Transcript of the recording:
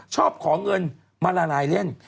ชอบขอเงินมาละลายเล่น